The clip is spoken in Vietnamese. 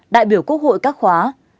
đại biểu quốc hội các khóa hai bốn năm